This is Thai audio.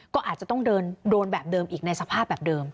ก็อาจจะต้องเดินแบบเดิมอีกในสภาพแบบเดิม